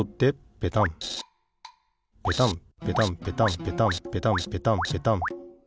ペタンペタンペタンペタンペタンペタンペタン！